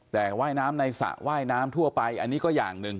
แต่ว่ายน้ำในสระว่ายน้ำทั่วไปอันนี้ก็อย่างหนึ่ง